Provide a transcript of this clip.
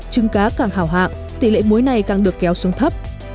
càng hảo hạng tỷ lệ muối này càng được kéo xuống thấp